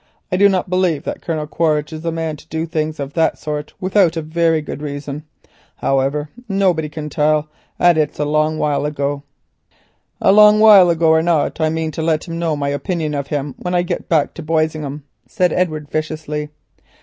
I do not believe that Colonel Quaritch is the man to do things of that sort without a very good reason. However, nobody can tell, and it is a long while ago." "A long while ago or not I mean to let him know my opinion of him when I get back to Boisingham," said Edward viciously.